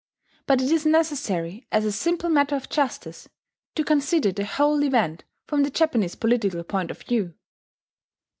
But it is necessary, as a simple matter of justice, to consider the whole event from the Japanese political point of view.